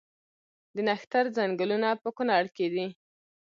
د نښتر ځنګلونه په کنړ کې دي؟